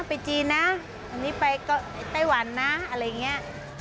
ไปจีนนะอันนี้ไปก็ไต้หวันนะอะไรอย่างนี้